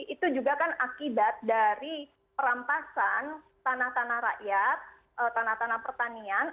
itu juga kan akibat dari perampasan tanah tanah rakyat tanah tanah pertanian